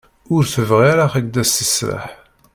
Ur tebɣi ara akk ad as-tesserreḥ.